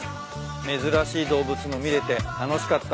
珍しい動物も見れて楽しかった。